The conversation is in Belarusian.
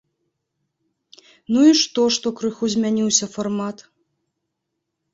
Ну, і што, што крыху змяніўся фармат?